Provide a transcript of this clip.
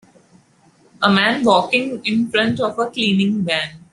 A man walking in front of a cleaning van.